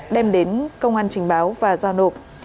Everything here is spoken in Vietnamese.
đem đến công an trình báo và giao nộp